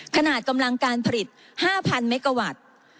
ขนาดกำลังการผลิต๕๐๐เมกาวัตต์